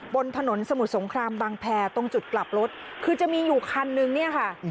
บนถนนสมุทรสงครามบางแพรตรงจุดกลับรถคือจะมีอยู่คันนึงเนี่ยค่ะ